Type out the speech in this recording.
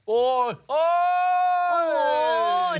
โอ้โหโอ้โห